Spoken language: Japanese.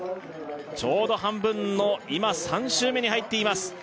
ちょうど半分の今３周目に入っています